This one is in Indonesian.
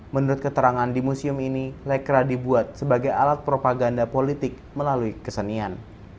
menurut keterangan di museum ini lekra dibuat sebagai alat propaganda politik melalui kesenian